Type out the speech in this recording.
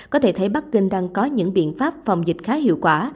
có thể thấy bắc kinh đang có những biện pháp phòng dịch khá hiệu quả